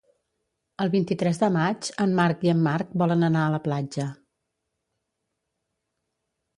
El vint-i-tres de maig en Marc i en Marc volen anar a la platja.